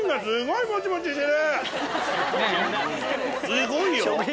すごいよ！